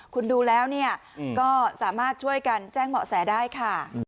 คุณดูแล้วก็สามารถช่วยกันแจ้งเหมาะแสได้ค่ะ